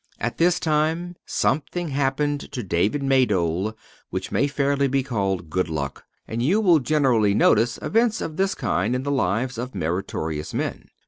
At this time something happened to David Maydole which may fairly be called good luck; and you will generally notice events of the kind in the lives of meritorious men.